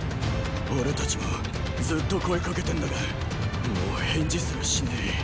俺たちもずっと声かけてんだがもう返事すらしねェ。